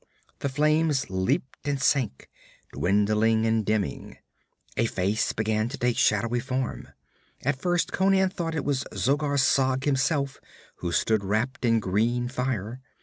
The flames leaped and sank, dwindling and dimming. A face began to take shadowy form. At first Conan thought it was Zogar Sag himself who stood wrapped in green fire.